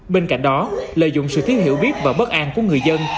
bên cạnh đó lợi dụng sự thiếu hiểu biết và bất an của người dân